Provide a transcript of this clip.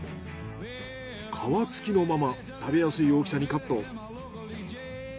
皮付きのまま食べやすい大きさにカット。